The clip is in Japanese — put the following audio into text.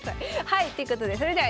はいということでそれでは。